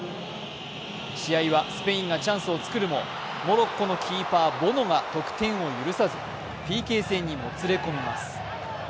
試合はスペインがチャンスをつくるもモロッコのキーパー・ボノが得点を許さずＰＫ戦にもつれ込みます。